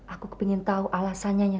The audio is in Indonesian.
aku ingin tahu alasannya